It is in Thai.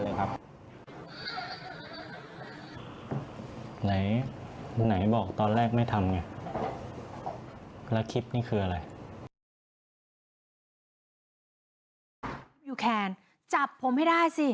ไหนนี่ไหนบอกตอนแรกไม่ทำไงและคลิปนี้คืออะไร